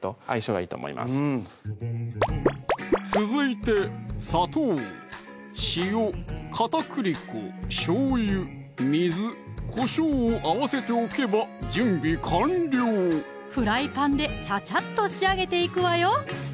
うん続いて砂糖・塩・片栗粉・しょうゆ・水・こしょうを合わせておけば準備完了フライパンでちゃちゃっと仕上げていくわよ